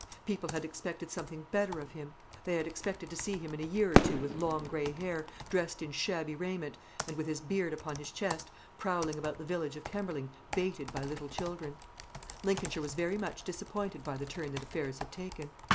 People had expected something better of him. They had expected to see him in a year or two with long grey hair, dressed in shabby raiment, and, with his beard upon his breast, prowling about the village of Kemberling, baited by little children. Lincolnshire was very much disappointed by the turn that affairs had taken.